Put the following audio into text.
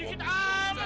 ayo kita dah berusaha